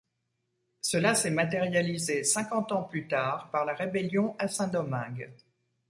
Cela s’est matérialisé cinquante ans plus tard par la rébellion à Saint-Domingue.